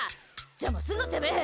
邪魔すんな、てめえ！